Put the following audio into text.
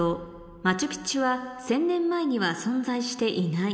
「マチュ・ピチュは１０００年前には存在していない」